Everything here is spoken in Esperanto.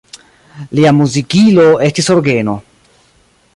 Lia muzikilo estis orgeno.